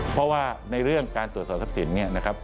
เพราะว่าในเรื่องการตรวจสอบทรัพย์สิน